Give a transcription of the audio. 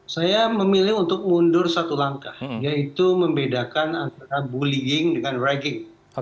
saya memilih untuk mundur satu langkah yaitu membedakan antara bullying dengan ragging